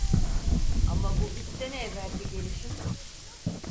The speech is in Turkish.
Ama bu üç sene evvelki gelişim.